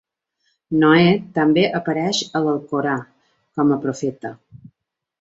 Noè també apareix a l'Alcorà com a profeta.